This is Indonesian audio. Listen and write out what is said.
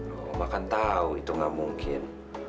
oh mama kan tahu itu enggak mungkin